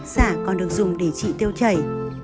xả còn được dùng để trị tiêu chảy